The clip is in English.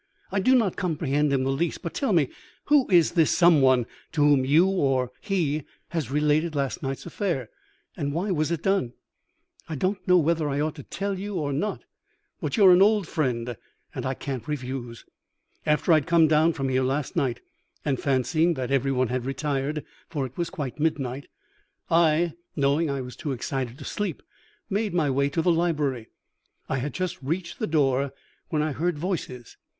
I do not comprehend in the least; but, tell me, who is this some one to whom you or he has related last night's affair, and why was it done?" "I do not know whether I ought to tell or no, but you are an old friend, and I cannot refuse. After I had come down from here last night, and fancying that every one had retired, for it was quite midnight, I, knowing I was too excited to sleep, made my way to the library. I had just reached the door when I heard voices.